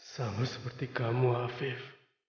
sama seperti kamu afif